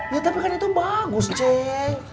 ya tapi kan itu bagus j